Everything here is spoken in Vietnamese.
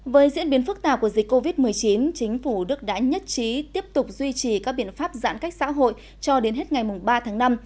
với diễn biến phức tạp của dịch covid một mươi chín chính phủ đức đã nhất trí tiếp tục duy trì các biện pháp giãn cách xã hội cho đến hết ngày ba tháng năm